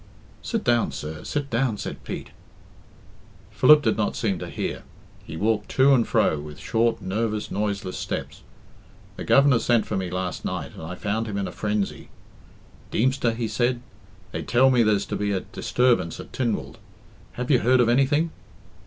"Sit down, sir, sit down," said Pete. Philip did not seem to hear. He walked to and fro with short, nervous, noiseless steps. "The Governor sent for me last night, and I found him in a frenzy. 'Deemster,' he said, 'they tell me there's to be a disturbance at Tynwald have you heard of anything?'